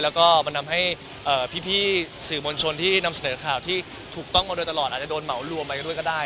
แล้วก็มันทำให้พี่สื่อมวลชนที่นำเสนอข่าวที่ถูกต้องมาโดยตลอดอาจจะโดนเหมารวมไปด้วยก็ได้